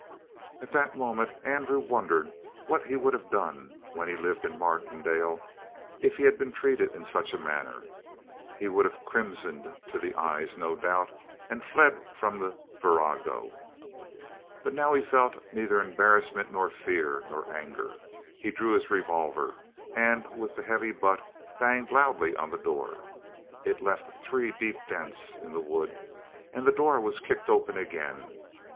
At that moment Andrew wondered what he would have done when he lived in Martindale if he had been treated in such a manner. He would have crimsoned to the eyes, no doubt, and fled from the virago. But now he felt neither embarrassment nor fear nor anger. He drew his revolver, and with the heavy butt banged loudly on the door. It left three deep dents in the wood, and the door was kicked open again.